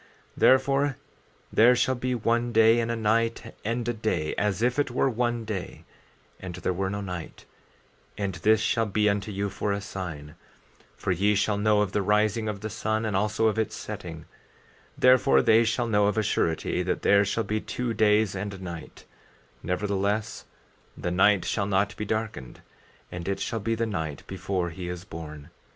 14:4 Therefore, there shall be one day and a night and a day, as if it were one day and there were no night; and this shall be unto you for a sign; for ye shall know of the rising of the sun and also of its setting; therefore they shall know of a surety that there shall be two days and a night; nevertheless the night shall not be darkened; and it shall be the night before he is born.